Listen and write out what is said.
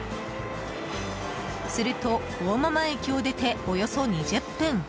すると、大間々駅を出ておよそ２０分。